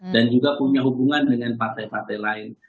dan juga punya hubungan dengan partai partai lain